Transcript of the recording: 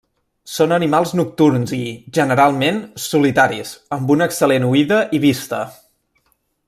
Són animals nocturns i, generalment, solitaris, amb una excel·lent oïda i vista.